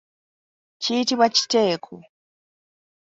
Kiyitibwa kiteeko.